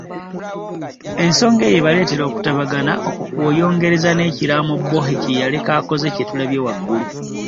Ensonga eyo ebaleetera okutabagana, okwo kw’oyongereza n’ekiraamo Bwohe kye yaleka akoze kye tulabye waaggulu.